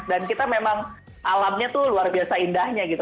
dan kita memang alamnya tuh luar biasa indahnya gitu